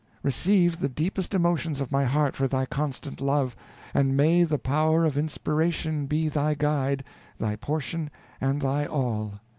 Receive the deepest emotions of my heart for thy constant love, and may the power of inspiration be thy guide, thy portion, and thy all.